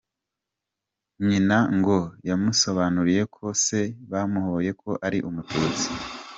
Nyina ngo yamusobanuriye ko se bamuhoye ko ari umututsi.